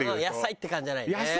野菜って感じじゃないね。